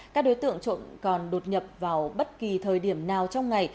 các đối tượng trộm còn đột nhập vào bất kỳ thời điểm nào trong ngày